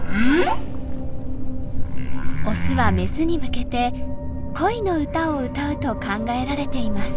オスはメスに向けて恋の歌を歌うと考えられています。